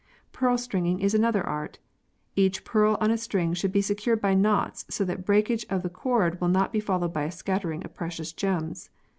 Pearl stringing is another art. Each pearl on a string should be secured by knots so that breakage of the cord will not be followed by a scattering of precious gems.